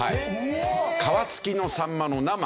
皮つきのさんまの生。